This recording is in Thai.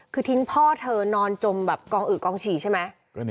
คือทิ้งพ่อเธอนอนจมแบบกองอึกกองฉี่ใช่ไหม